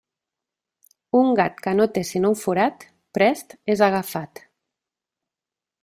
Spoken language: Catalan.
Un gat que no té sinó un forat, prest és agafat.